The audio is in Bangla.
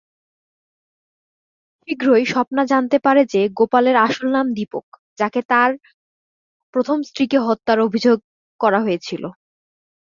শীঘ্রই, স্বপ্না জানতে পারে যে গোপালের আসল নাম দীপক, যাকে আগে তার প্রথম স্ত্রীকে হত্যার অভিযোগ করা হয়েছিল।